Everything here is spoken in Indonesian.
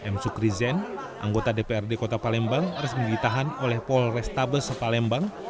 m sukrizen anggota dprd kota palembang resmi ditahan oleh pol restabes palembang